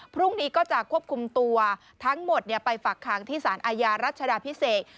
พรุ่งนี้ก็จะควบคุมตัวทั้งหมดไปฝากค้างที่สารอาญารัชดาพิเศษ